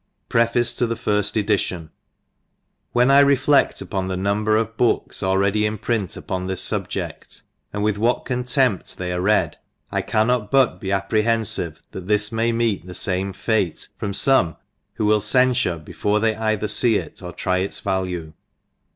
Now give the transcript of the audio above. Preface to the Firfi Edition. WHEN 1 refled upon the number o^ books already in print upon this fub jcft, and with what contempt they are read I cannot but be apprehenfive that this may meet the fame fate from fome^ who will cen* fbne before they either fee it or tfy its value.